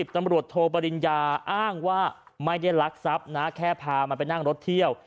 ตำรวจโทปริญญาอ้างว่าไม่ได้รักทรัพย์นะแค่พามันไปนั่งรถเที่ยว